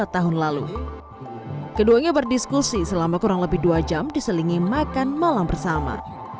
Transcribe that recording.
tahun lalu keduanya berdiskusi selama kurang lebih dua jam diselingi makan malam bersama